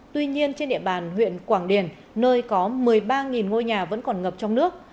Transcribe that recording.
tuy nhiên trên địa bàn huyện quảng điền nơi có một mươi ba ngôi nhà vẫn còn ngập trong nước